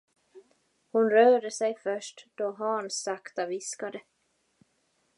Hon rörde sig först, då Hans sakta viskade.